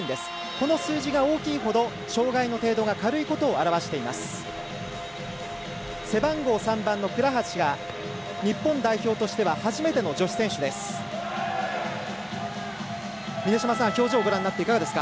この数字が大きいほど障がいの程度が軽いことを表しています。